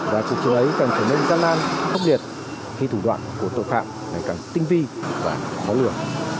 và cục chiến ấy còn trở nên gian nan khốc liệt khi thủ đoạn của tội phạm ngày càng tinh vi và bóng lửa